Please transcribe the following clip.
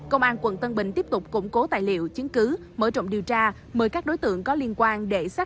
công an quận tân bình tiếp tục củng cố tài liệu chứng cứ mở rộng điều tra